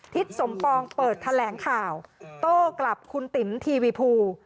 ทิศสมปองเปิดแถลงข่าวโต้กลับคุณติ๋มทีวีภู